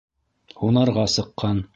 Һунарға сыҡҡан.